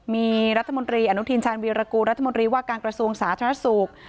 มีรัฐมนตรีอนุทินชาญวีรกูรัฐมนตรีว่าการกระทรวงสาธารณสุข